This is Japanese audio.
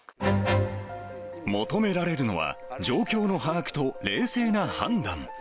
求められるのは、状況の把握と冷静な判断。